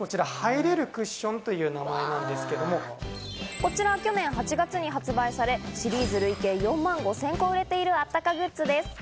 こちら去年８月に発売され、シリーズ累計４万５０００個売れているあったかグッズです。